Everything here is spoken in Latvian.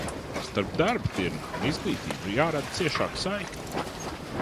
Starp darba tirgu un izglītību jārada ciešāka saikne.